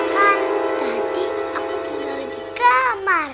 kan tapi aku tinggal di kamar